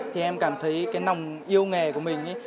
thì em cảm thấy cái lòng yêu nghề của mình